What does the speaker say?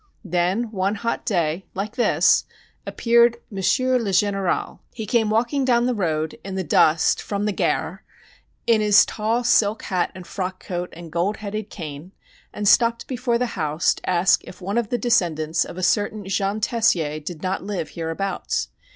Then one hot day like this appeared M. le Général. He came walking down the road in the dust from the gare, in his tall silk hat and frock coat and gold headed cane, and stopped before the house to ask if one of the descendants of a certain Jean Tessier did not live hereabouts.